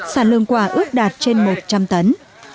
sản lượng quả ước đạt trên một trăm linh tấn